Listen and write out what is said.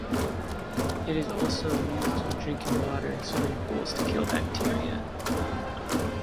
It is also used in drinking water and swimming pools to kill bacteria.